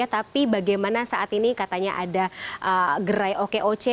tapi bagaimana saat ini katanya ada gerai okoc